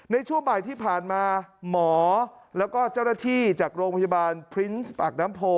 ในช่วงบ่ายที่ผ่านมาหมอแล้วก็เจ้าหน้าที่จากโรงพยาบาลพรินส์ปากน้ำโพ